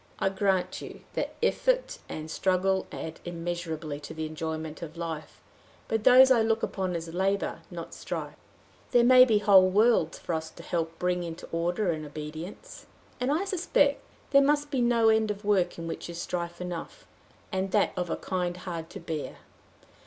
I grant you that effort and struggle add immeasurably to the enjoyment of life, but those I look upon as labor, not strife. There may be whole worlds for us to help bring into order and obedience. And I suspect there must be no end of work in which is strife enough and that of a kind hard to bear.